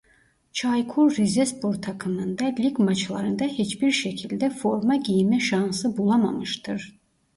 Çaykur Rizespor takımında lig maçlarında hiçbir şekilde forma giyme şansı bulamamıştır.